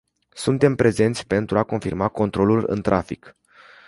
Suntem prezenți pentru a confirma controlul în trafic.